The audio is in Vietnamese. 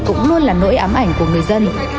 cũng luôn là nỗi ám ảnh của người dân